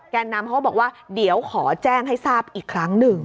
นำเขาก็บอกว่าเดี๋ยวขอแจ้งให้ทราบอีกครั้งหนึ่ง